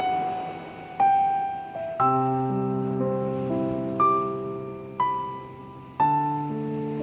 sayascript bali dari seluruh sekolah terumit